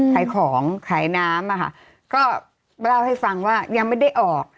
ขายของขายน้ำอะค่ะก็เล่าให้ฟังว่ายังไม่ได้ออก